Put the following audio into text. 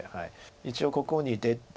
一応ここに出て。